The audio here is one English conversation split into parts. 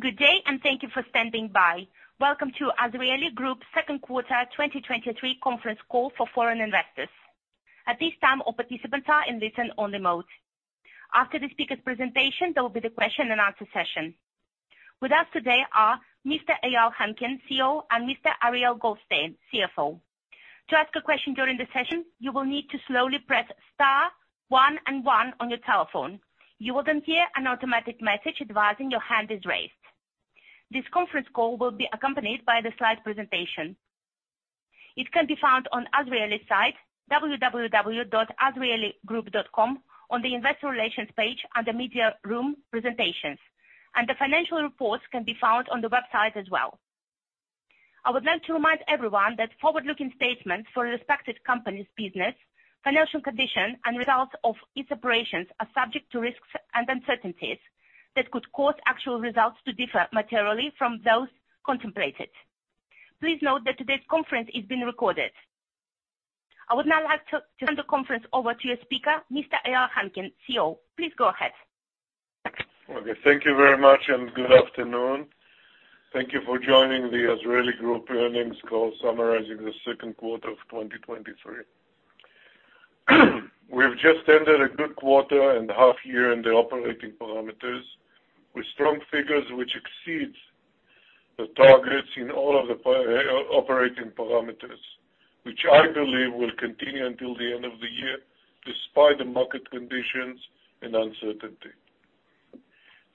Good day, thank you for standing by. Welcome to Azrieli Group second quarter 2023 conference call for foreign investors. At this time, all participants are in listen only mode. After the speaker's presentation, there will be the question and answer session. With us today are Mr. Eyal Henkin, CEO, and Mr. Ariel Goldstein, CFO. To ask a question during the session, you will need to slowly press star one and one on your telephone. You will hear an automatic message advising your hand is raised. This conference call will be accompanied by the slide presentation. It can be found on Azrieli site, www.azrieligroup.com, on the Investor Relations page, under Media Room Presentations, and the financial reports can be found on the website as well. I would like to remind everyone that forward-looking statements for the respective company's business, financial condition and results of its operations are subject to risks and uncertainties that could cause actual results to differ materially from those contemplated. Please note that today's conference is being recorded. I would now like to turn the conference over to your speaker, Mr. Eyal Henkin, CEO. Please go ahead. Okay, thank you very much. Good afternoon. Thank you for joining the Azrieli Group earnings call, summarizing the second quarter of 2023. We have just ended a good quarter and half year in the operating parameters, with strong figures which exceeds the targets in all of the pa- operating parameters, which I believe will continue until the end of the year, despite the market conditions and uncertainty.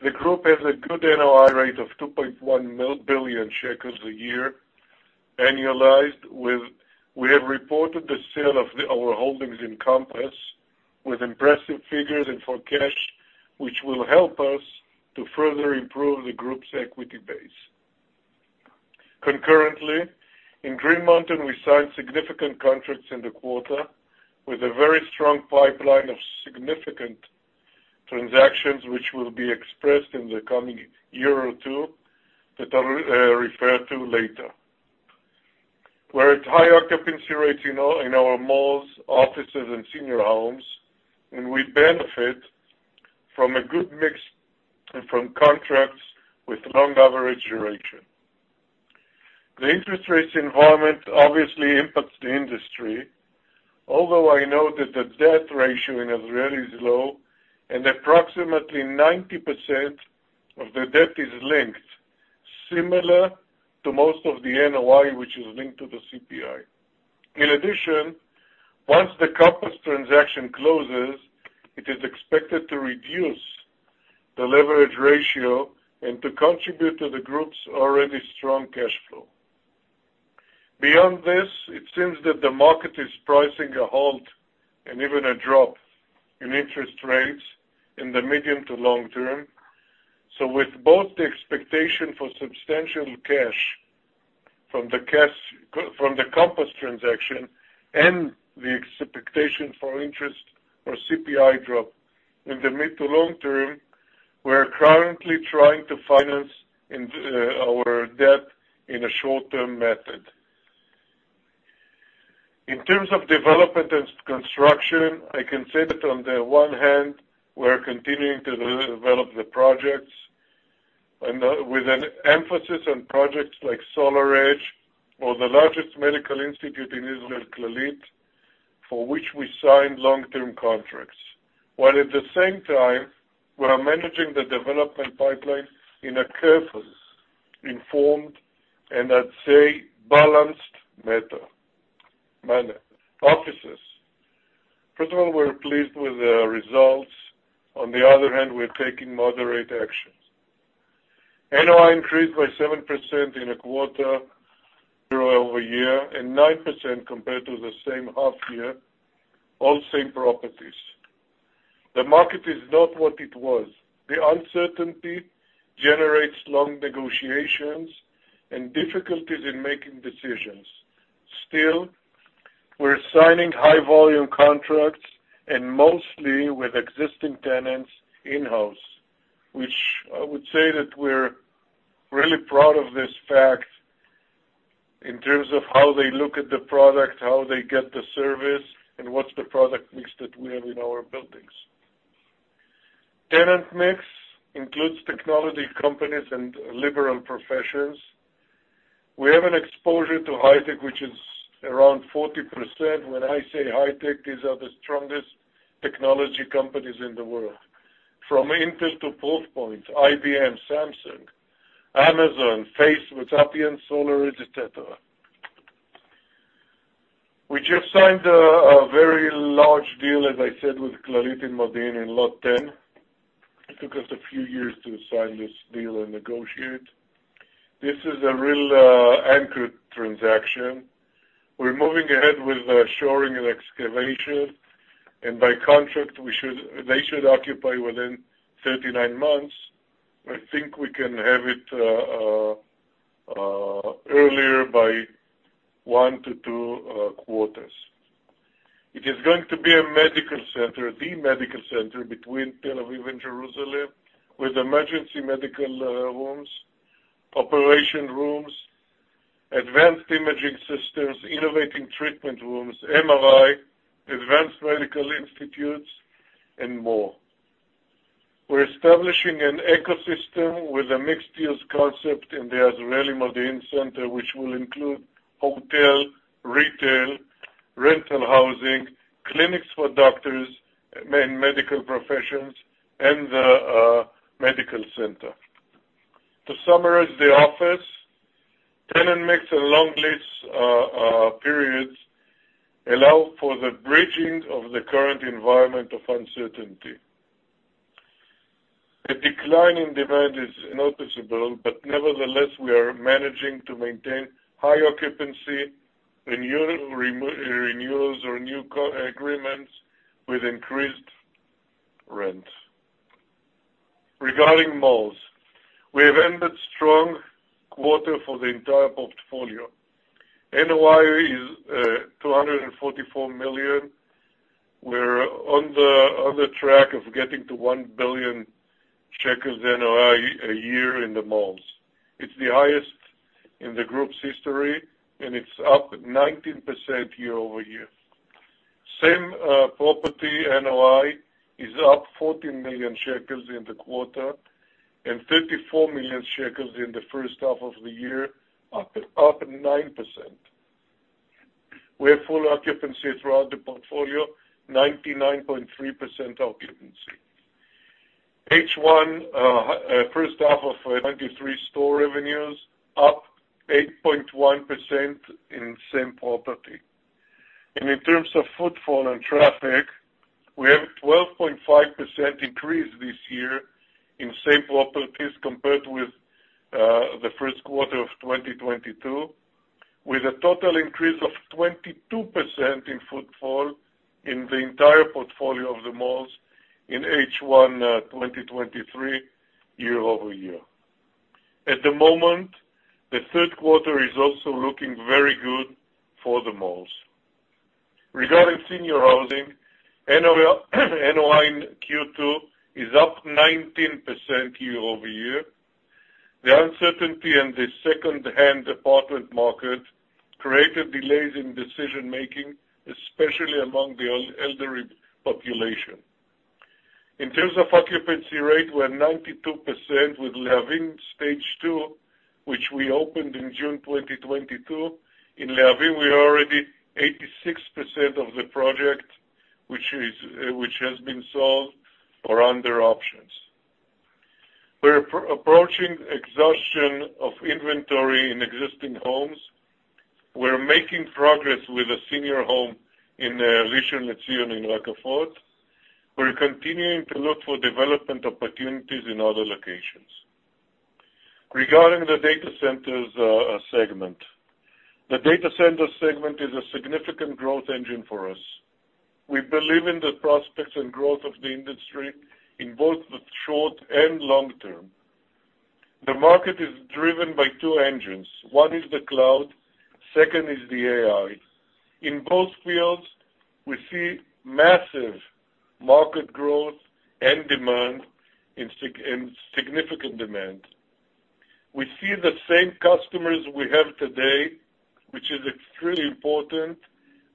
The group has a good NOI rate of 2.1 billion shekels a year, annualized. We have reported the sale of the, our holdings in Compass, with impressive figures and for cash, which will help us to further improve the group's equity base. Concurrently, in Green Mountain, we signed significant contracts in the quarter, with a very strong pipeline of significant transactions, which will be expressed in the coming year or two, that I'll refer to later. We're at high occupancy rates in all, in our malls, offices, and senior homes, and we benefit from a good mix, and from contracts with long average duration. The interest rates environment obviously impacts the industry, although I know that the debt ratio in Azrieli is low, and approximately 90% of the debt is linked, similar to most of the NOI, which is linked to the CPI. In addition, once the Compass transaction closes, it is expected to reduce the leverage ratio and to contribute to the group's already strong cash flow. Beyond this, it seems that the market is pricing a halt and even a drop in interest rates in the medium to long term. With both the expectation for substantial cash from the Compass transaction and the expectation for interest or CPI drop in the mid to long term, we're currently trying to finance our debt in a short-term method. In terms of development and construction, I can say that on the one hand, we're continuing to develop the projects, and with an emphasis on projects like SolarEdge or the largest medical institute in Israel, Clalit, for which we signed long-term contracts. While at the same time, we are managing the development pipeline in a careful, informed, and I'd say, balanced manner. Offices. First of all, we're pleased with the results. On the other hand, we're taking moderate actions. NOI increased by 7% in a quarter year-over-year, and 9% compared to the same half year, all same properties. The market is not what it was. The uncertainty generates long negotiations and difficulties in making decisions. Still, we're signing high volume contracts and mostly with existing tenants in-house, which I would say that we're really proud of this fact in terms of how they look at the product, how they get the service, and what's the product mix that we have in our buildings. Tenant mix includes technology companies and liberal professions. We have an exposure to high tech, which is around 40%. When I say high tech, these are the strongest technology companies in the world, from Intel to Forcepoint, IBM, Samsung, Amazon, Facebook, WhatsApp, and SolarEdge, et cetera. We just signed a very large deal, as I said, with Clalit in Modiin in Lot 10. It took us a few years to sign this deal and negotiate. This is a real anchor transaction. We're moving ahead with the shoring and excavation, and by contract, they should occupy within 39 months. I think we can have it earlier by 1-2 quarters. It is going to be a medical center, the medical center between Tel Aviv and Jerusalem, with emergency medical rooms, operation rooms, advanced imaging systems, innovating treatment rooms, MRI, advanced medical institutes, and more. We're establishing an ecosystem with a mixed-use concept in the Azrieli Modiin Center, which will include hotel, retail, rental housing, clinics for doctors, and medical professionals, and the medical center. To summarize the office, tenant mix and long lease periods allow for the bridging of the current environment of uncertainty. A decline in demand is noticeable, nevertheless, we are managing to maintain high occupancy, renewal, re-renewals or new co-agreements with increased rent. Regarding malls, we have ended strong quarter for the entire portfolio. NOI is 244 million. We're on the track of getting to 1 billion shekels NOI a year in the malls. It's the highest in the group's history, and it's up 19% year-over-year. Same property NOI is up 14 million shekels in the quarter and 34 million shekels in the first half of the year, up 9%. We have full occupancy throughout the portfolio, 99.3% occupancy. H1, first half of 93 store revenues, up 8.1% in same property. In terms of footfall and traffic, we have a 12.5% increase this year in same properties compared with the first quarter of 2022, with a total increase of 22% in footfall in the entire portfolio of the malls in H1, 2023 year-over-year. At the moment, the third quarter is also looking very good for the malls. Regarding senior housing, NOI, NOI in Q2 is up 19% year-over-year. The uncertainty in the secondhand apartment market created delays in decision-making, especially among the elderly population. In terms of occupancy rate, we're 92% with Lehavim Stage 2, which we opened in June 2022. In Lehavim, we are already 86% of the project, which has been sold or under options. We're approaching exhaustion of inventory in existing homes. We're making progress with a senior home in Rishon LeZion in Ra'anana. We're continuing to look for development opportunities in other locations. Regarding the data centers segment. The data center segment is a significant growth engine for us. We believe in the prospects and growth of the industry in both the short and long term. The market is driven by two engines. One is the cloud, second is the AI. In both fields, we see massive market growth and demand and significant demand. We see the same customers we have today, which is extremely important,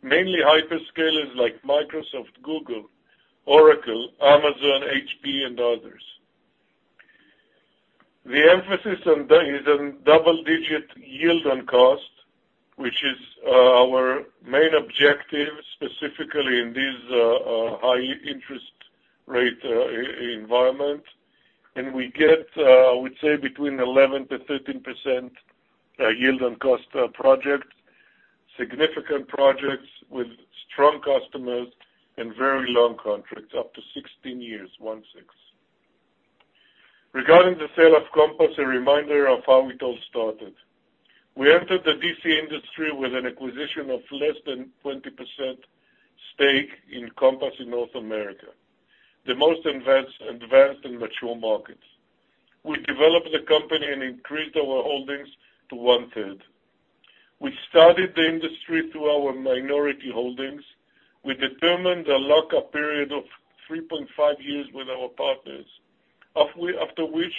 mainly hyperscalers like Microsoft, Google, Oracle, Amazon, HP, and others. The emphasis on that is on double-digit yield and cost, which is our main objective, specifically in these high interest rate environment. We get, I would say, between 11%-13% yield on cost project. Significant projects with strong customers and very long contracts, up to 16 years, 16. Regarding the sale of Compass, a reminder of how it all started. We entered the DC industry with an acquisition of less than 20% stake in Compass in North America, the most advanced and mature markets. We developed the company and increased our holdings to one-third. We studied the industry through our minority holdings. We determined a lock-up period of 3.5 years with our partners, after which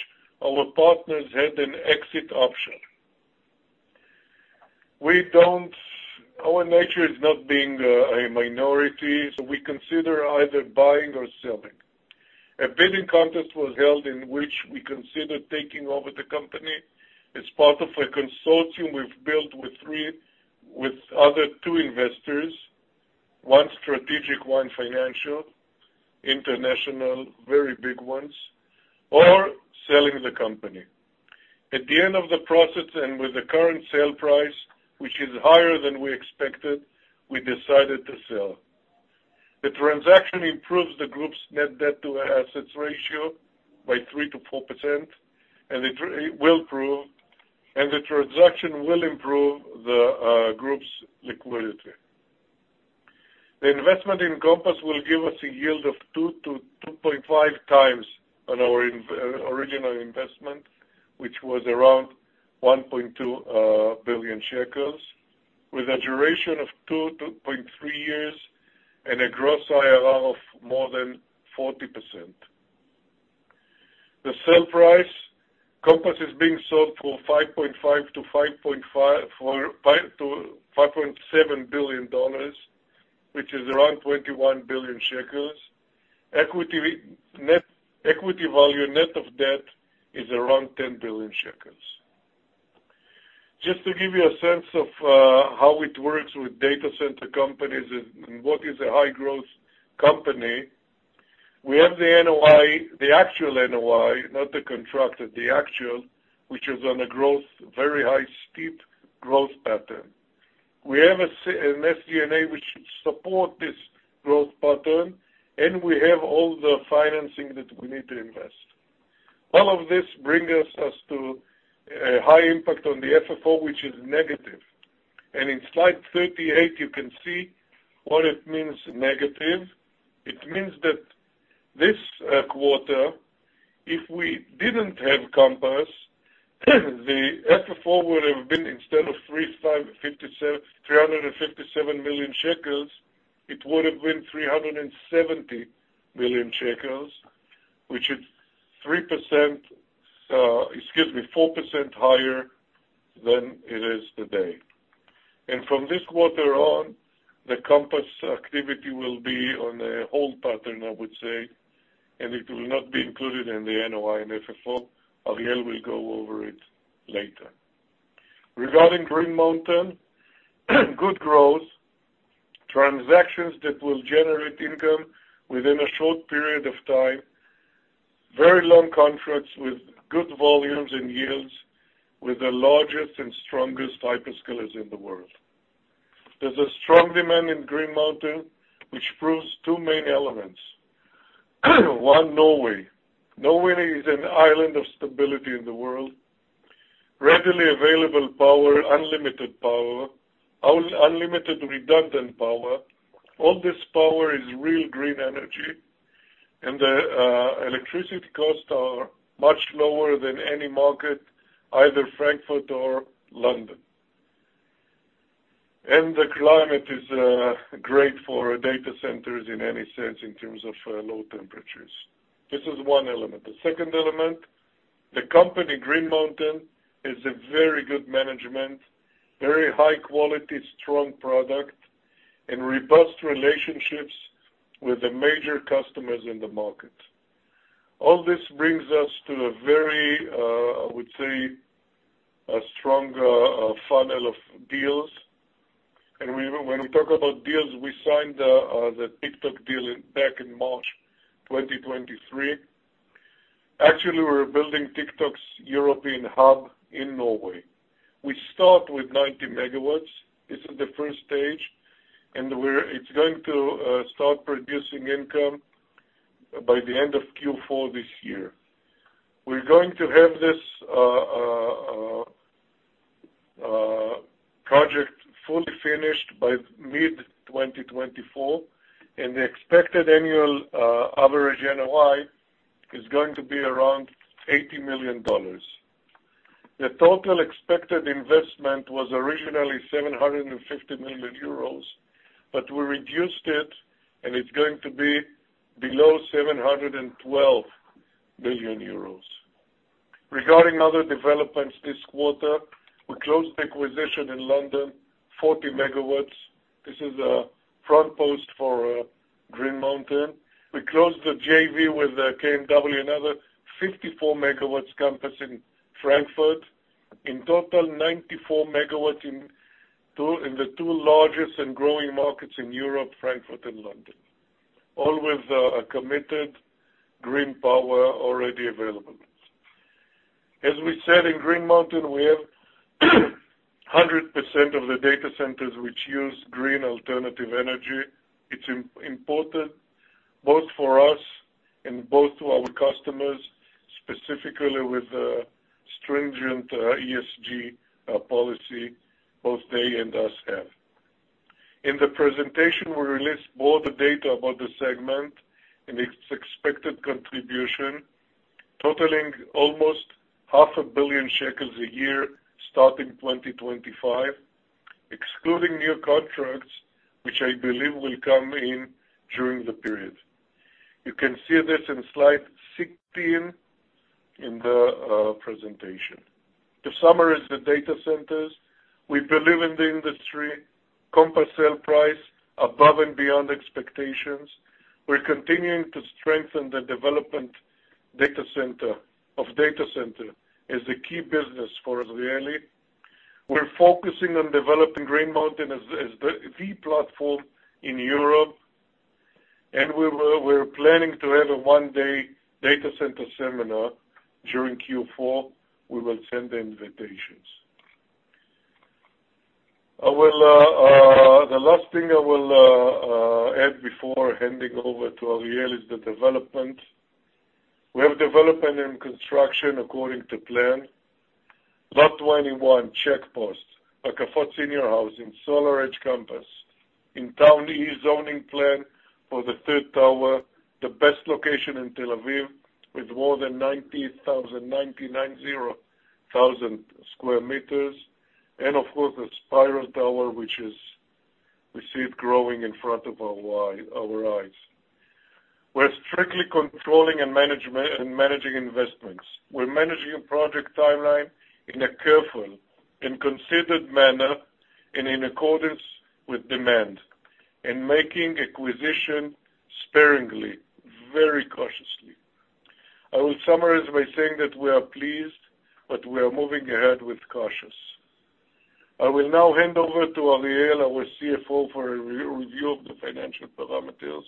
our partners had an exit option. Our nature is not being a minority, so we consider either buying or selling. A bidding contest was held in which we considered taking over the company as part of a consortium we've built with other two investors, one strategic, one financial, international, very big ones, or selling the company. With the current sale price, which is higher than we expected, we decided to sell. The transaction improves the group's net debt to assets ratio by 3%-4%, and the transaction will improve the group's liquidity. The investment in Compass will give us a yield of 2-2.5 times on our original investment, which was around 1.2 billion shekels, with a duration of 2-3 years and a gross IRR of more than 40%. Sale price, Compass is being sold for $5.5-$5.5, for $5-$5.7 billion, which is around 21 billion shekels. Equity net, equity value, net of debt is around 10 billion shekels. Just to give you a sense of how it works with data center companies and what is a high-growth company, we have the NOI, the actual NOI, not the contracted, the actual, which is on a growth, very high, steep growth pattern. We have an SNDA which support this growth pattern, and we have all the financing that we need to invest. All of this brings us to a high impact on the FFO, which is negative. In slide 38, you can see what it means negative. It means that this quarter, if we didn't have Compass, the FFO would have been, instead of 357 million shekels, it would have been 370 million shekels, which is 3%, excuse me, 4% higher than it is today. From this quarter on, the Compass activity will be on a hold pattern, I would say, and it will not be included in the NOI and FFO. Ariel will go over it later. Regarding Green Mountain, good growth, transactions that will generate income within a short period of time, very long contracts with good volumes and yields, with the largest and strongest hyperscalers in the world. There's a strong demand in Green Mountain, which proves two main elements. One, Norway. Norway is an island of stability in the world, readily available power, unlimited power, unlimited redundant power. All this power is real green energy, the electricity costs are much lower than any market, either Frankfurt or London. The climate is great for data centers in any sense, in terms of low temperatures. This is one element. The second element, the company, Green Mountain, is a very good management, very high quality, strong product, and robust relationships with the major customers in the market. All this brings us to a very, I would say, a strong funnel of deals. When we talk about deals, we signed the TikTok deal back in March 2023. Actually, we're building TikTok's European hub in Norway. We start with 90 megawatts. This is the first stage, and it's going to start producing income by the end of Q4 this year. We're going to have this project fully finished by mid-2024, and the expected annual average NOI is going to be around $80 million. The total expected investment was originally 750 million euros, but we reduced it, and it's going to be below 712 million euros. Regarding other developments this quarter, we closed the acquisition in London, 40 megawatts. This is a front post for Green Mountain. We closed the JV with KMW, another 54 MW campus in Frankfurt. In total, 94 MW in two, in the two largest and growing markets in Europe, Frankfurt and London, all with a committed green power already available. As we said, in Green Mountain, we have 100% of the data centers which use green alternative energy. It's important both for us and both to our customers, specifically with the stringent ESG policy, both they and us have. In the presentation, we released more of the data about the segment and its expected contribution, totaling almost 500 million shekels a year, starting 2025, excluding new contracts, which I believe will come in during the period. You can see this in slide 16 in the presentation. To summarize the data centers, we believe in the industry, Compass sale price above and beyond expectations. We're continuing to strengthen the development data center, of data center as a key business for Azrieli. We're focusing on developing Green Mountain as, as the, the platform in Europe, we're planning to have a one-day data center seminar during Q4. We will send the invitations. I will the last thing I will add before handing over to Ariel is the development. We have development in construction according to plan. Lot 21, Check Post, Palace Senior House in SolarEdge campus. In Azrieli Town zoning plan for the third tower, the best location in Tel Aviv, with more than 90,000, 99,000 square meters, and of course, the Spiral Tower. We see it growing in front of our eye, our eyes. We're strictly controlling and management, and managing investments. We're managing a project timeline in a careful and considered manner, and in accordance with demand, and making acquisition sparingly, very cautiously. I will summarize by saying that we are pleased, but we are moving ahead with cautious. I will now hand over to Ariel, our CFO, for a re-review of the financial parameters.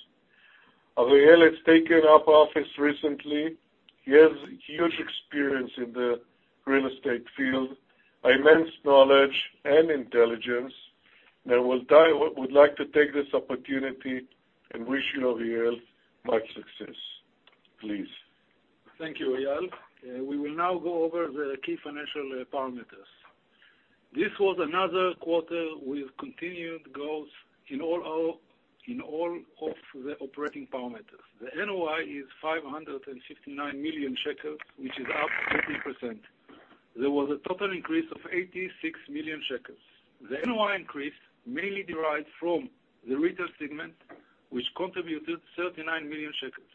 Ariel has taken up office recently. He has huge experience in the real estate field, immense knowledge and intelligence, and I would like to take this opportunity and wish you, Ariel, much success. Please. Thank you, Eyal. We will now go over the key financial parameters. This was another quarter with continued growth in all our, in all of the operating parameters. The NOI is 559 million shekels, which is up 50%. There was a total increase of 86 million shekels. The NOI increase mainly derives from the retail segment, which contributed 39 million shekels.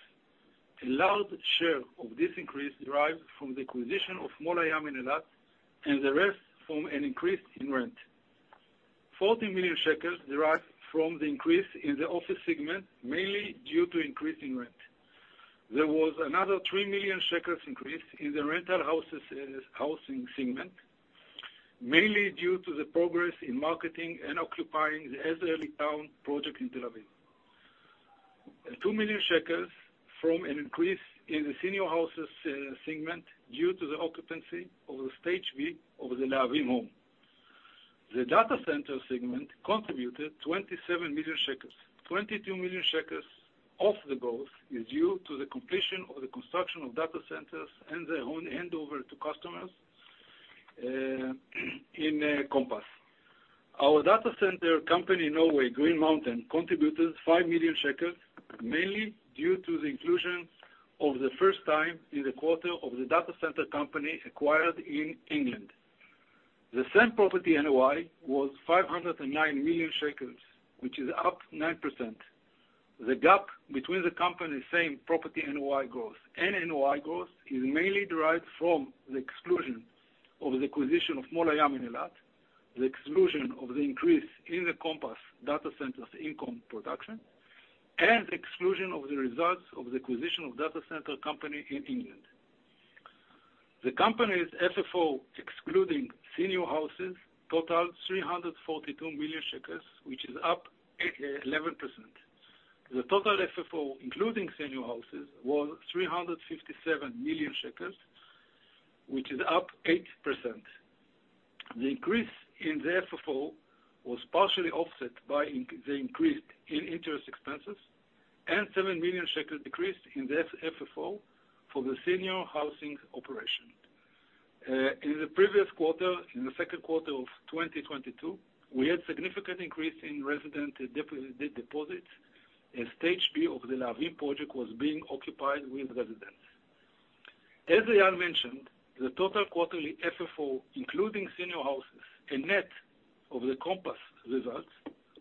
A large share of this increase derives from the acquisition of Mall HaYam in Eilat, and the rest from an increase in rent. 14 million shekels derived from the increase in the office segment, mainly due to increase in rent. There was another 3 million shekels increase in the rental houses, housing segment, mainly due to the progress in marketing and occupying the Azrieli Town project in Tel Aviv. Two million shekels from an increase in the senior houses segment, due to the occupancy of the Stage B of the Palace Lehavim. The data center segment contributed 27 million shekels. 22 million shekels of the growth is due to the completion of the construction of data centers and their own handover to customers in Compass. Our data center company in Norway, Green Mountain, contributed 5 million shekels, mainly due to the inclusion of the first time in the quarter of the data center company acquired in England. The same property, NOI, was 509 million shekels, which is up 9%. The gap between the company's same property NOI growth and NOI growth is mainly derived from the exclusion of the acquisition of Mall HaYam in Eilat, the exclusion of the increase in the Compass Datacenters income production, Exclusion of the results of the acquisition of data center company in England. The company's FFO, excluding senior houses, totaled 342 million shekels, which is up 11%. The total FFO, including senior houses, was 357 million shekels, which is up 8%. The increase in the FFO was partially offset by the increase in interest expenses, and 7 million shekels decreased in the FFO for the senior housing operation. In the previous quarter, in 2Q 2022, we had significant increase in resident deposits and Stage B of the Lahavin project was being occupied with residents. As I mentioned, the total quarterly FFO, including senior houses, a net of the Compass results,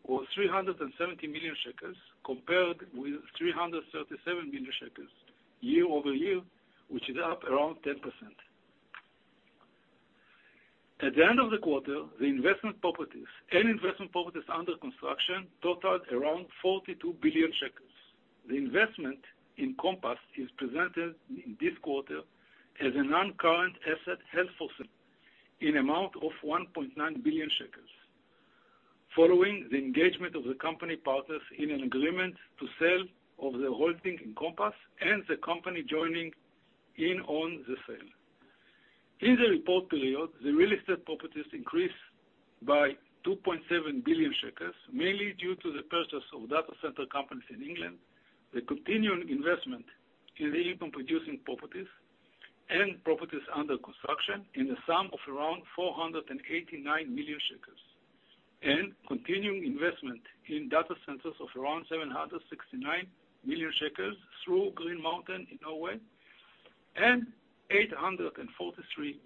was 370 million shekels, compared with 337 million shekels year-over-year, which is up around 10%. At the end of the quarter, the investment properties and investment properties under construction totaled around 42 billion shekels. The investment in Compass is presented in this quarter as a non-current asset held for sale in amount of 1.9 billion shekels, following the engagement of the company partners in an agreement to sell of the whole thing in Compass and the company joining in on the sale. In the report period, the real estate properties increased by 2.7 billion shekels, mainly due to the purchase of data center companies in England, the continuing investment in the income producing properties and properties under construction in the sum of around 489 million shekels, and continuing investment in data centers of around 769 million shekels through Green Mountain in Norway, and 843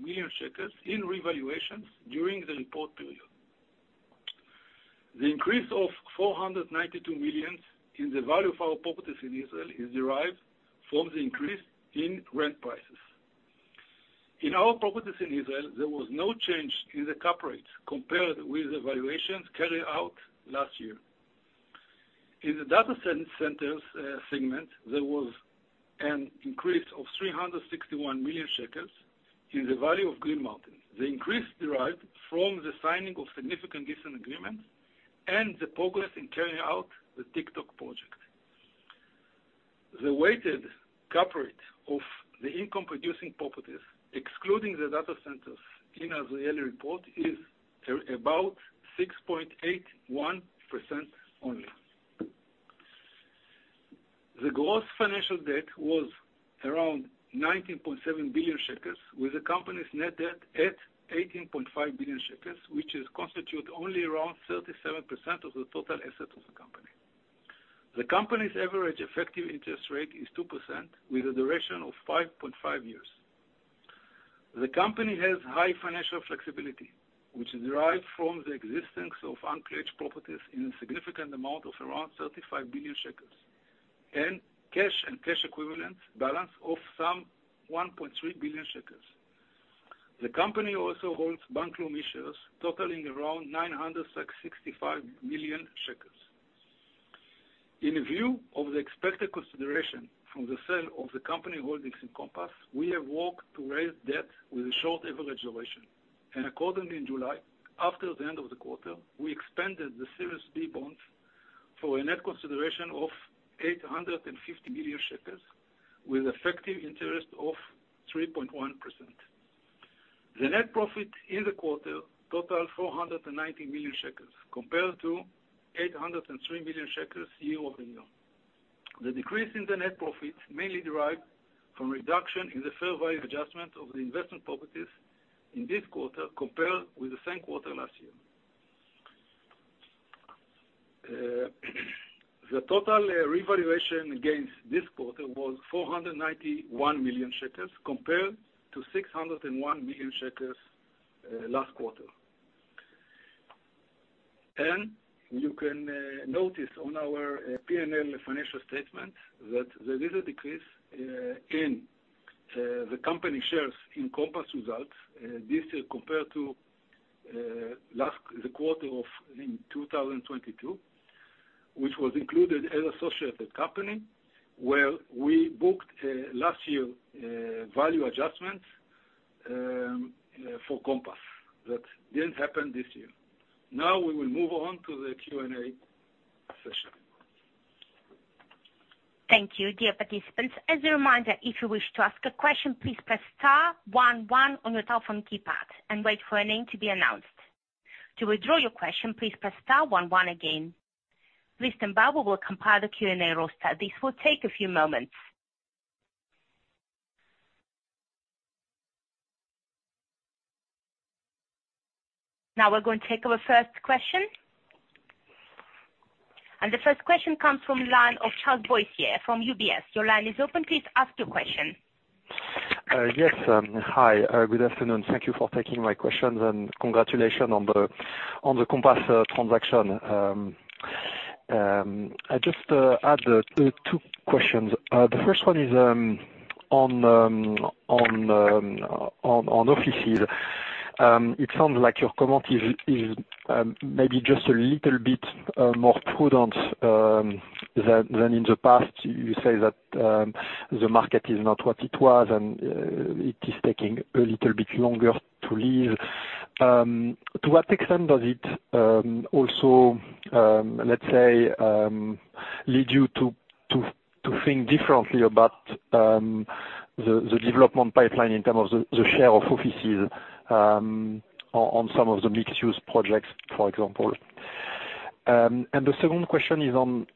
million shekels in revaluations during the report period. The increase of 492 million in the value of our properties in Israel is derived from the increase in rent prices. In our properties in Israel, there was no change in the cap rate compared with the valuations carried out last year. In the data centers segment, there was an increase of 361 million shekels in the value of Green Mountain. The increase derived from the signing of significant decent agreements and the progress in carrying out the TikTok project. The weighted cap rate of the income producing properties, excluding the data centers in our yearly report, is about 6.81% only. The gross financial debt was around 19.7 billion shekels, with the company's net debt at 18.5 billion shekels, which is constitute only around 37% of the total assets of the company. The company's average effective interest rate is 2%, with a duration of 5.5 years. The company has high financial flexibility, which is derived from the existence of unpledged properties in a significant amount of around 35 billion shekels, and cash and cash equivalents balance of some 1.3 billion shekels. The company also holds bank loan issues totaling around 965 million shekels. In view of the expected consideration from the sale of the company holdings in Compass, we have worked to raise debt with a short average duration, and accordingly, in July, after the end of the quarter, we expanded the Series B bonds for a net consideration of 850 million shekels, with effective interest of 3.1%. The net profit in the quarter totaled 490 million shekels, compared to 803 million shekels year-over-year. The decrease in the net profit mainly derived from reduction in the fair value adjustment of the investment properties in this quarter compared with the same quarter last year. The total revaluation against this quarter was 491 million shekels compared to 601 million shekels last quarter. You can notice on our PNL financial statement that there is a decrease in the company shares in Compass results. This is compared to last, the quarter of 2022, which was included as associated company, where we booked last year value adjustments for Compass. That didn't happen this year. We will move on to the Q&A session. Thank you, dear participants. As a reminder, if you wish to ask a question, please press star one one on your telephone keypad and wait for your name to be announced. To withdraw your question, please press star one one again. Please stand by, we will compile the Q&A roster. This will take a few moments. Now, we're going to take our first question. The first question comes from line of Charles Boissier from UBS. Your line is open, please ask your question. Yes, hi. Good afternoon. Thank you for taking my questions, and congratulations on the, on the Compass transaction. I just had two, two questions. The first one is on offices. It sounds like your comment is, is maybe just a little bit more prudent than, than in the past. You say that the market is not what it was, and it is taking a little bit longer to leave. To what extent does it also, let's say, lead you to, to, to think differently about the, the development pipeline in terms of the, the share of offices on, on some of the mixed-use projects, for example? The second question is on,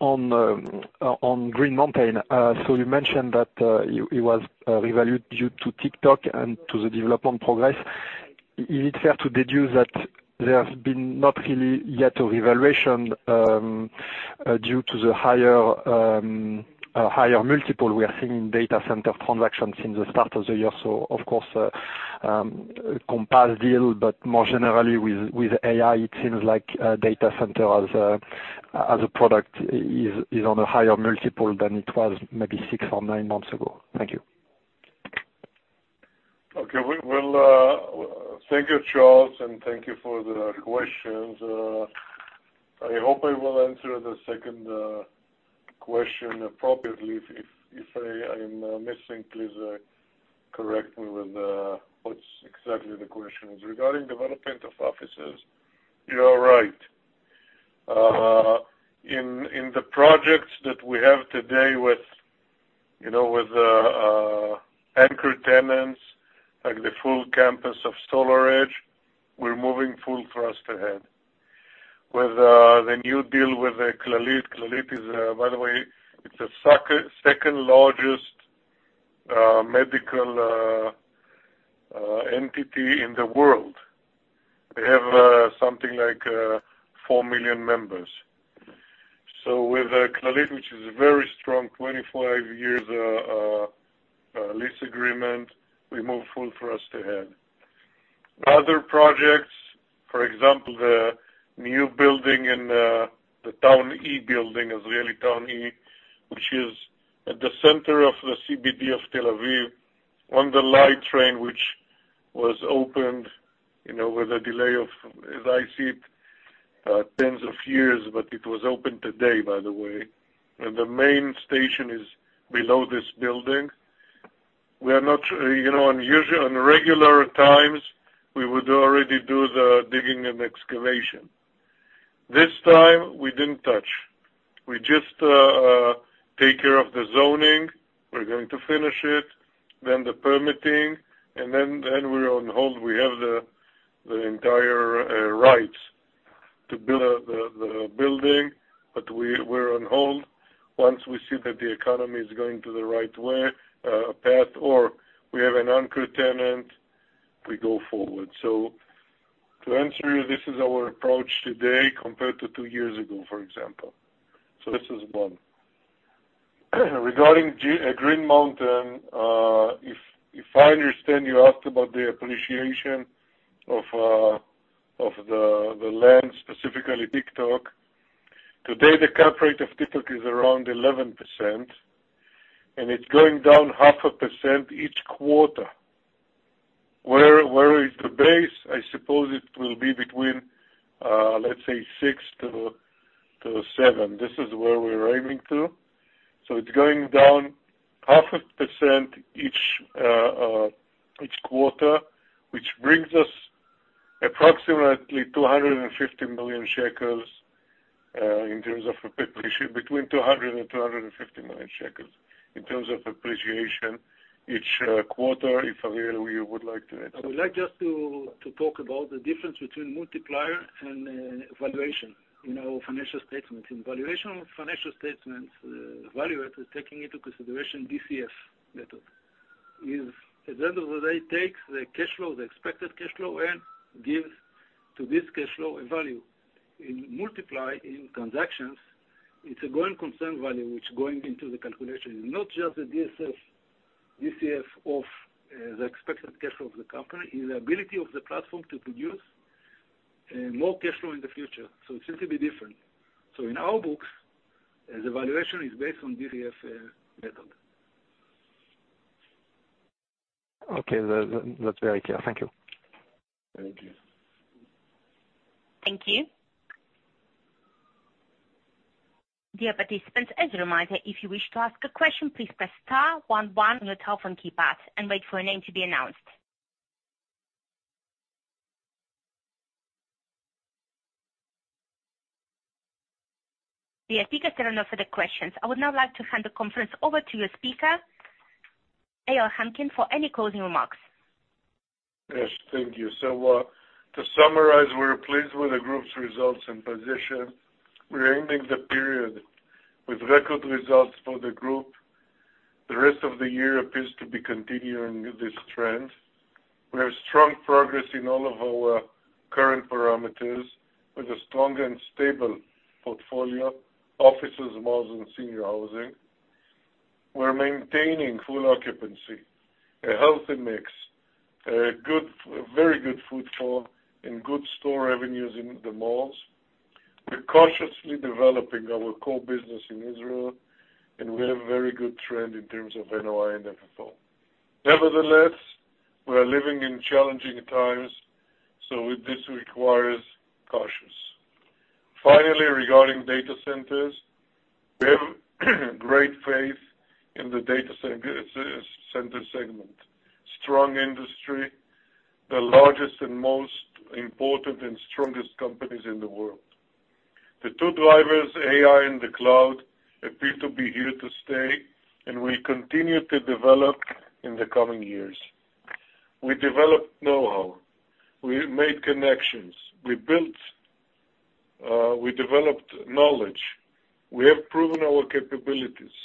on Green Mountain. You mentioned that it was revalued due to TikTok and to the development progress. Is it fair to deduce that there has been not really yet a revaluation due to the higher higher multiple we are seeing in data center transactions since the start of the year? Of course, Compass deal, but more generally with AI, it seems like data center as a product is on a higher multiple than it was maybe six or nine months ago. Thank you. Okay, we'll... Thank you, Charles, and thank you for the questions. I hope I will answer the 2nd question appropriately. If, if, if I am missing, please correct me with what's exactly the question is. Regarding development of offices, you are right. In the projects that we have today with, you know, with anchor tenants, like the full campus of SolarEdge, we're moving full thrust ahead. With the new deal with the Clalit, Clalit is, by the way, it's the 2nd, 2nd largest medical entity in the world. They have something like 4 million members. With Clalit, which is a very strong 25 years lease agreement, we move full thrust ahead. Other projects, for example, the new building in Azrieli Town building, Israeli Azrieli Town, which is at the center of the CBD of Tel Aviv, on the light train, which was opened, you know, with a delay of, as I see it, tens of years. It was opened today, by the way. The main station is below this building. We are not, you know, on usual, on regular times, we would already do the digging and excavation. This time, we didn't touch. We just take care of the zoning. We're going to finish it, then the permitting, and then we're on hold. We have the entire rights to build the building. We're on hold. Once we see that the economy is going to the right way, path, or we have an anchor tenant-... We go forward. To answer you, this is our approach today compared to two years ago, for example. This is one. Regarding Green Mountain, if I understand, you asked about the appreciation of the land, specifically Big Talk. Today, the cap rate of TikTok is around 11%, and it's going down 0.5% each quarter. Where, where is the base? I suppose it will be between, let's say 6-7. This is where we're aiming to. It's going down 0.5% each quarter, which brings us approximately 250 million shekels in terms of appreciation, between 200 million shekels and 250 million shekels in terms of appreciation each quarter. If Ariel, you would like to add something. I would like just to talk about the difference between multiplier and valuation in our financial statements. In valuation financial statements, the valuator is taking into consideration DCF method. At the end of the day takes the cash flow, the expected cash flow, and gives to this cash flow a value. In multiply in transactions, it's a going concern value which going into the calculation, not just the DCF, DCF of the expected cash flow of the company, is the ability of the platform to produce more cash flow in the future, so it seems to be different. In our books, the valuation is based on DCF method. Okay. That, that's very clear. Thank you. Thank you. Thank you. Dear participants, as a reminder, if you wish to ask a question, please press star one one on your telephone keypad and wait for your name to be announced. The speakers are done for the questions. I would now like to hand the conference over to your speaker, Eyal Henkin, for any closing remarks. Yes, thank you. To summarize, we're pleased with the group's results and position. We're ending the period with record results for the group. The rest of the year appears to be continuing with this trend. We have strong progress in all of our current parameters with a strong and stable portfolio, offices, malls, and senior housing. We're maintaining full occupancy, a healthy mix, a good, very good footfall, and good store revenues in the malls. We're cautiously developing our core business in Israel, we have very good trend in terms of NOI and FFO. Nevertheless, we are living in challenging times, so this requires cautious. Finally, regarding data centers, we have great faith in the data center, center segment. Strong industry, the largest and most important and strongest companies in the world. The two drivers, AI and the cloud, appear to be here to stay and will continue to develop in the coming years. We developed know-how. We made connections. We built, we developed knowledge. We have proven our capabilities.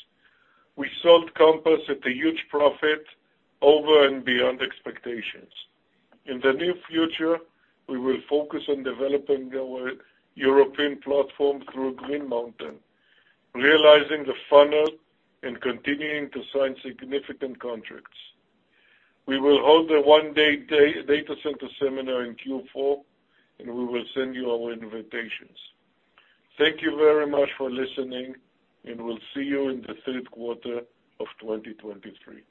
We sold Compass at a huge profit over and beyond expectations. In the near future, we will focus on developing our European platform through Green Mountain, realizing the funnel and continuing to sign significant contracts. We will hold a one-day data center seminar in Q4, and we will send you our invitations. Thank you very much for listening, and we'll see you in the third quarter of 2023.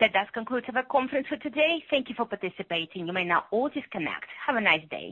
That does conclude our conference for today. Thank you for participating. You may now all disconnect. Have a nice day.